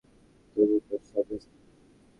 তুমি তো সব ভেস্তে দেবে।